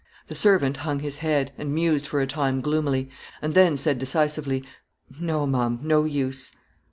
The servant hung his head, and mused for a time gloomily; and then said decisively "No, ma'am; no use."